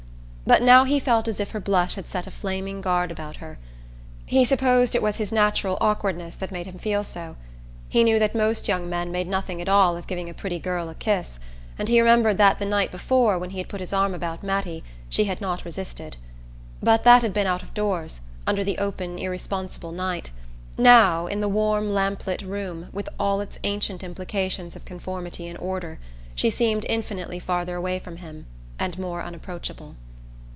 But now he felt as if her blush had set a flaming guard about her. He supposed it was his natural awkwardness that made him feel so. He knew that most young men made nothing at all of giving a pretty girl a kiss, and he remembered that the night before, when he had put his arm about Mattie, she had not resisted. But that had been out of doors, under the open irresponsible night. Now, in the warm lamplit room, with all its ancient implications of conformity and order, she seemed infinitely farther away from him and more unapproachable.